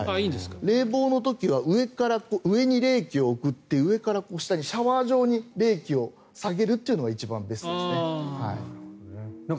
冷房の時は上に冷気を送って上から下にシャワー状に冷気を下げるのが一番ベストですね。